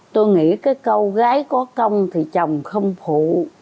tôi nghĩ cái câu gái có công thì chồng không phụ